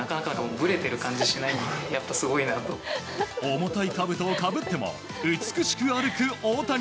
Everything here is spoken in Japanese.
重たいかぶとをかぶっても美しく歩く大谷。